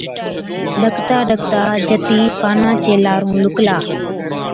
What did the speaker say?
ڏڪتا ڏڪتا جتِي پانان چي لارُون لُڪلا۔